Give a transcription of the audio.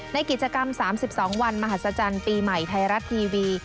ในกิจกรรม๓๒วันมหัศจรรย์ปีใหม่ไทยรัฐทีวี